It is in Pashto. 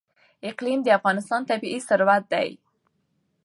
اقلیم د افغانستان طبعي ثروت دی.